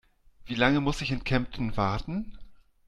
Wie lange muss ich in Kempten warten?